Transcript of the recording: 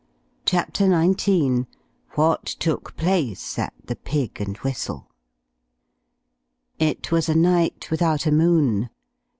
CHAPTER XIX WHAT TOOK PLACE AT "THE PIG AND WHISTLE" It was a night without a moon.